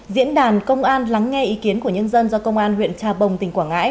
diễn đàn công an lắng nghe ý kiến của nhân dân do công an huyện trà bồng tỉnh quảng ngãi